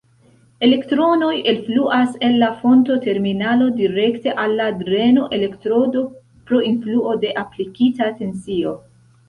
Elektronoj elfluas el la fonto-terminalo direkte al la dreno-elektrodo pro influo de aplikita tensio.